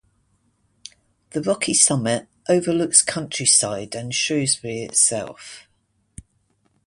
The rocky summit overlooks countryside and Shrewsbury itself.